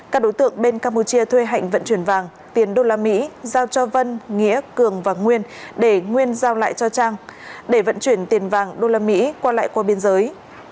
các đối tượng bên campuchia thuê hạnh vận chuyển vàng tiền đô la mỹ giao cho vân nghĩa cường và nguyên để nguyên giao lại cho trang để vận chuyển tiền vàng đô la mỹ qua lại qua biên giới